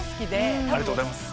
ありがとうございます。